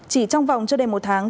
chỉ trong vòng trước đây một tháng